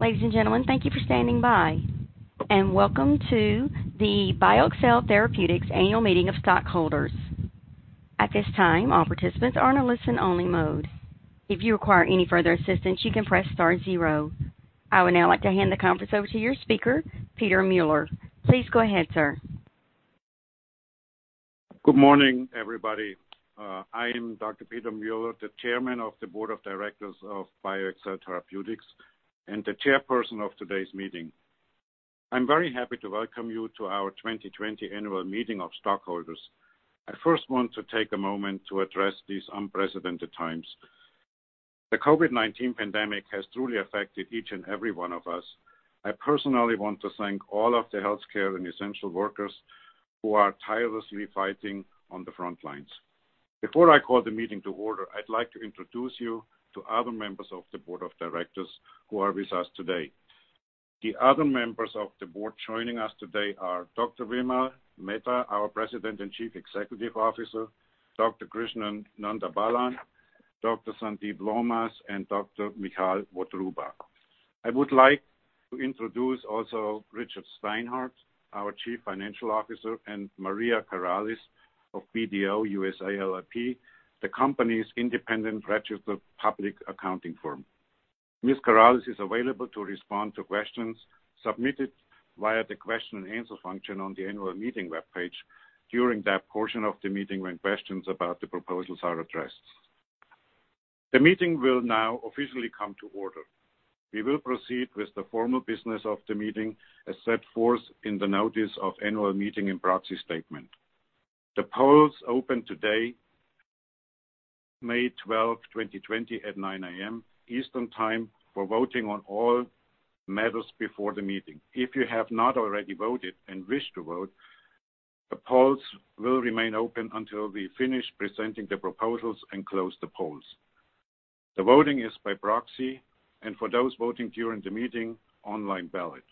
Ladies and gentlemen, thank you for standing by, and welcome to the BioXcel Therapeutics Annual Meeting of Stockholders. At this time, all participants are in a listen-only mode. If you require any further assistance, you can press star zero. I would now like to hand the conference over to your speaker, Peter Mueller. Please go ahead, sir. Good morning, everybody. I am Dr. Peter Mueller, the Chairman of the Board of Directors of BioXcel Therapeutics, and the chairperson of today's meeting. I'm very happy to welcome you to our 2020 annual meeting of stockholders. I first want to take a moment to address these unprecedented times. The COVID-19 pandemic has truly affected each and every one of us. I personally want to thank all of the healthcare and essential workers who are tirelessly fighting on the front lines. Before I call the meeting to order, I'd like to introduce you to other members of the board of directors who are with us today. The other members of the board joining us today are Dr. Vimal Mehta, our President and Chief Executive Officer, Dr. Krishnan Nandabalan, Dr. Sandeep Laumas, and Dr. Michal Votruba. I would like to introduce also Richard Steinhart, our chief financial officer, and Maria Corrales of BDO USA, LLP, the company's independent registered public accounting firm. Ms. Corrales is available to respond to questions submitted via the question and answer function on the annual meeting webpage during that portion of the meeting when questions about the proposals are addressed. The meeting will now officially come to order. We will proceed with the formal business of the meeting as set forth in the notice of annual meeting and proxy statement. The polls opened today, May 12, 2020, at 9:00 A.M. Eastern Time for voting on all matters before the meeting. If you have not already voted and wish to vote, the polls will remain open until we finish presenting the proposals and close the polls. The voting is by proxy, and for those voting during the meeting, online ballot.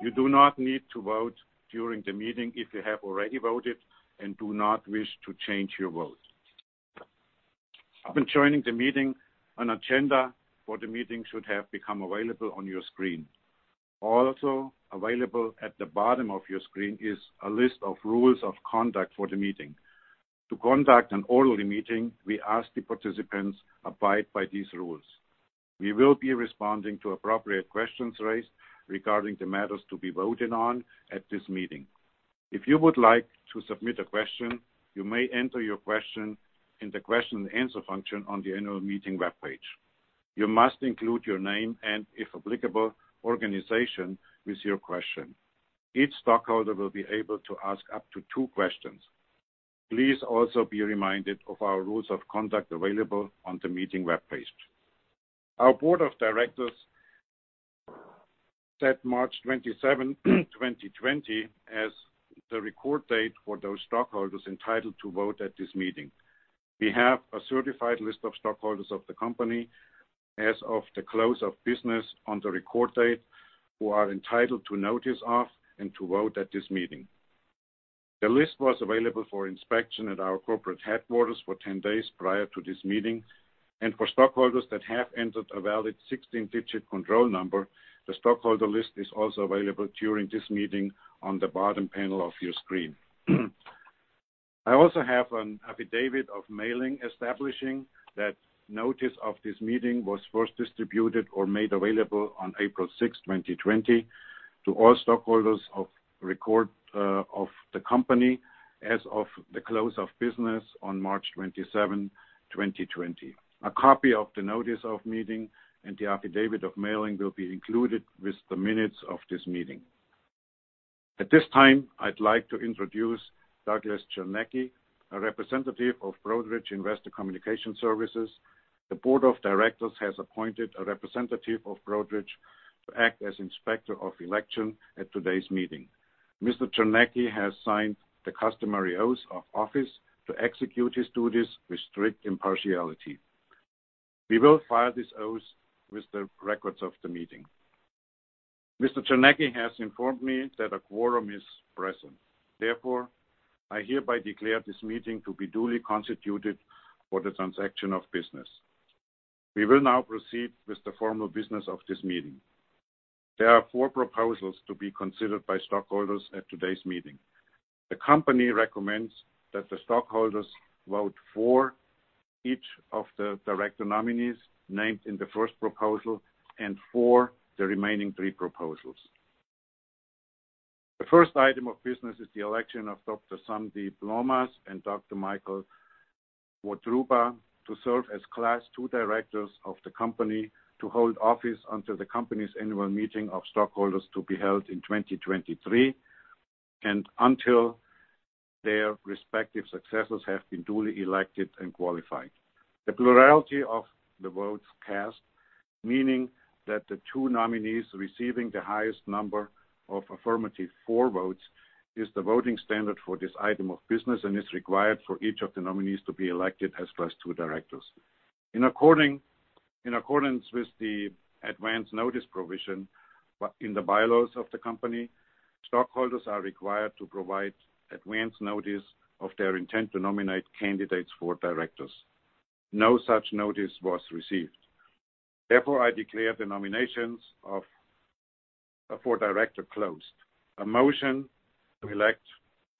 You do not need to vote during the meeting if you have already voted and do not wish to change your vote. Upon joining the meeting, an agenda for the meeting should have become available on your screen. Also available at the bottom of your screen is a list of rules of conduct for the meeting. To conduct an orderly meeting, we ask the participants abide by these rules. We will be responding to appropriate questions raised regarding the matters to be voted on at this meeting. If you would like to submit a question, you may enter your question in the question and answer function on the annual meeting webpage. You must include your name and, if applicable, organization with your question. Each stockholder will be able to ask up to two questions. Please also be reminded of our rules of conduct available on the meeting webpage. Our board of directors set March 27, 2020, as the record date for those stockholders entitled to vote at this meeting. We have a certified list of stockholders of the company as of the close of business on the record date, who are entitled to notice of and to vote at this meeting. The list was available for inspection at our corporate headquarters for 10 days prior to this meeting. For stockholders that have entered a valid 16-digit control number, the stockholder list is also available during this meeting on the bottom panel of your screen. I also have an affidavit of mailing establishing that notice of this meeting was first distributed or made available on April 6, 2020, to all stockholders of record of the company as of the close of business on March 27, 2020. A copy of the notice of meeting and the affidavit of mailing will be included with the minutes of this meeting. At this time, I'd like to introduce Douglas Chernack, a representative of Broadridge Investor Communication Solutions. The board of directors has appointed a representative of Broadridge to act as inspector of election at today's meeting. Mr. Chernecke has signed the customary oath of office to execute his duties with strict impartiality. We will file this oath with the records of the meeting. Mr. Chernecke has informed me that a quorum is present. Therefore, I hereby declare this meeting to be duly constituted for the transaction of business. We will now proceed with the formal business of this meeting. There are four proposals to be considered by stockholders at today's meeting. The company recommends that the stockholders vote for each of the director nominees named in the first proposal and for the remaining three proposals. The first item of business is the election of Dr. Sandeep Laumas and Dr. Michal Votruba to serve as Class II directors of the company to hold office until the company's annual meeting of stockholders to be held in 2023 and until their respective successors have been duly elected and qualified. The plurality of the votes cast, meaning that the two nominees receiving the highest number of affirmative for votes, is the voting standard for this item of business and is required for each of the nominees to be elected as Class II directors. In accordance with the advance notice provision in the bylaws of the company, stockholders are required to provide advance notice of their intent to nominate candidates for directors. No such notice was received. Therefore, I declare the nominations for director closed. A motion to elect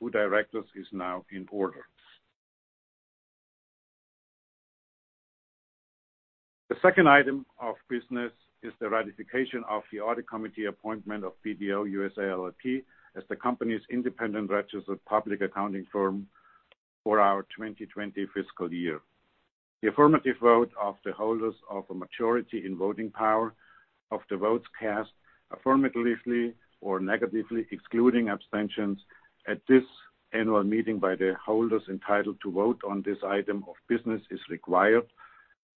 two directors is now in order. The second item of business is the ratification of the audit committee appointment of BDO USA, LLP as the company's independent registered public accounting firm for our 2020 fiscal year. The affirmative vote of the holders of a majority in voting power of the votes cast affirmatively or negatively, excluding abstentions at this annual meeting by the holders entitled to vote on this item of business, is required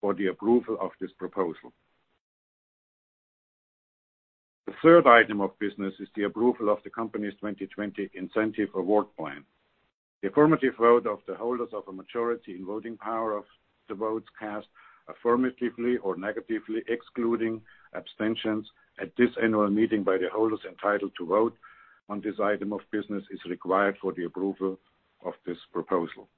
for the approval of this proposal. The third item of business is the approval of the company's 2020 incentive award plan. The affirmative vote of the holders of a majority in voting power of the votes cast affirmatively or negatively, excluding abstentions at this annual meeting by the holders entitled to vote on this item of business, is required for the approval of this proposal.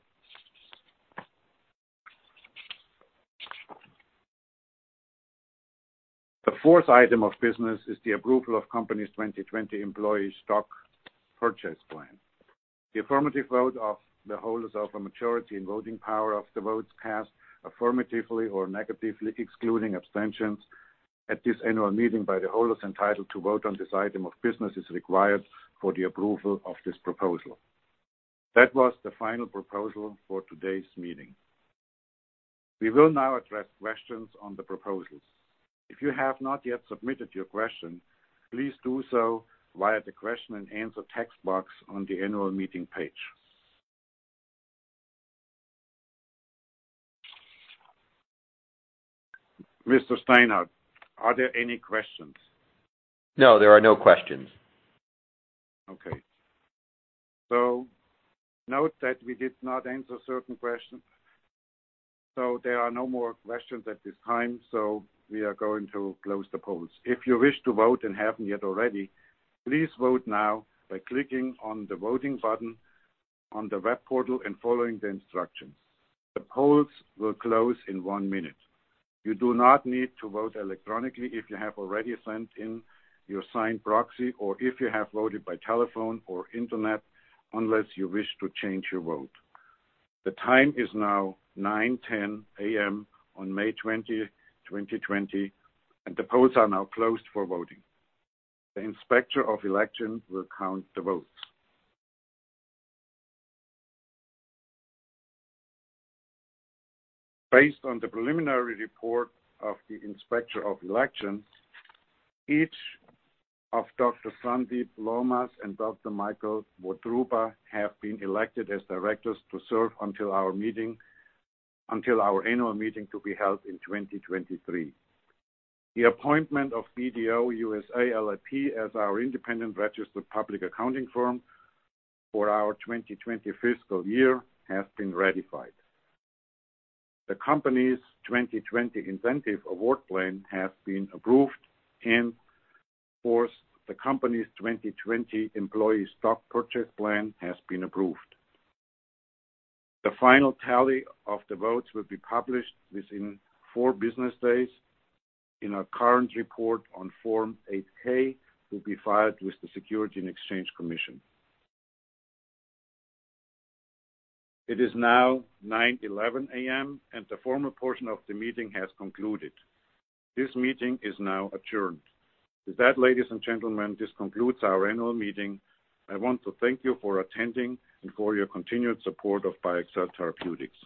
The fourth item of business is the approval of Company's 2020 Employee Stock Purchase Plan. The affirmative vote of the holders of a majority in voting power of the votes cast affirmatively or negatively, excluding abstentions at this annual meeting by the holders entitled to vote on this item of business, is required for the approval of this proposal. That was the final proposal for today's meeting. We will now address questions on the proposals. If you have not yet submitted your question, please do so via the question and answer text box on the annual meeting page. Mr. Steinhart, are there any questions? No, there are no questions. Okay. Note that we did not answer certain questions. There are no more questions at this time, so we are going to close the polls. If you wish to vote and haven't yet already, please vote now by clicking on the voting button on the web portal and following the instructions. The polls will close in one minute. You do not need to vote electronically if you have already sent in your signed proxy, or if you have voted by telephone or internet, unless you wish to change your vote. The time is now 9:10 A.M. on May 12, 2020, and the polls are now closed for voting. The inspector of election will count the votes. Based on the preliminary report of the inspector of elections, each of Dr. Sandeep Laumas and Dr. Michal Votruba have been elected as directors to serve until our annual meeting to be held in 2023. The appointment of BDO USA, LLP as our independent registered public accounting firm for our 2020 fiscal year has been ratified. The company's 2020 incentive award plan has been approved, and of course, the company's 2020 employee stock purchase plan has been approved. The final tally of the votes will be published within four business days in our current report on Form 8-K, to be filed with the Securities and Exchange Commission. It is now 9:11 A.M. and the formal portion of the meeting has concluded. This meeting is now adjourned. With that, ladies and gentlemen, this concludes our annual meeting. I want to thank you for attending and for your continued support of BioXcel Therapeutics.